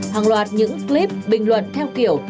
hàng loạt những clip bình luận theo kiểu